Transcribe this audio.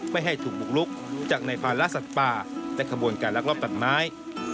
ไม่ให้ถูกบุกลุกจากในภาระสัตว์ป่าและขบวนการลักลอบตัดไม้